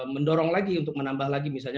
mendorong lagi untuk menambah lagi misalnya